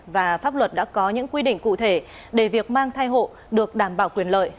và pháp luật đã có những quy định cụ thể để việc mang thai hộ được đảm bảo quyền lợi